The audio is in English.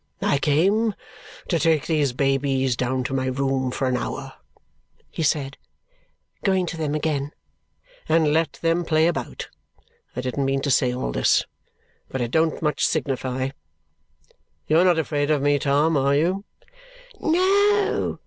"I came to take these babies down to my room for an hour," he said, going to them again, "and let them play about. I didn't mean to say all this, but it don't much signify. You're not afraid of me, Tom, are you?" "No!"